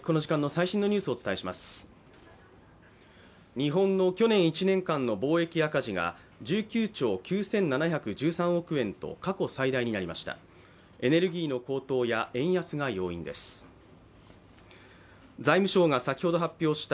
日本の去年１年間の貿易赤字が１９兆９７１３億円と過去最大になりました。